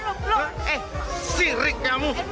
eh sirik kamu